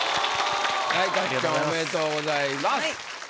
はいかっちゃんおめでとうございます。